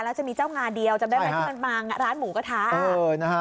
แล้วจะมีเจ้างาเดียวจำได้ไหมที่มันมาร้านหมูกระทะ